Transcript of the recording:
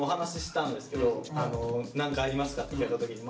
「何かありますか？」って聞かれた時に。